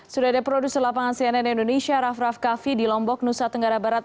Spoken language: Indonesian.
sudah ada produser lapangan cnn indonesia raff raff kaffi di lombok nusa tenggara barat